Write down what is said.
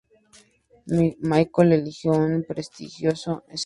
Michael eligió el prestigioso St.